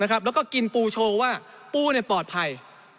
แล้วก็กินปูโชว์ว่าปูปลอดภัย